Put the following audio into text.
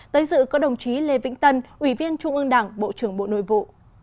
tới dự có đồng chí lê vĩnh tân ủy viên trung ương đảng bộ trưởng bộ nội vụ